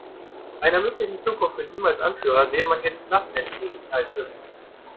Einer möglichen Zukunft mit ihm als Anführer sehe man gelassen entgegen, heißt es.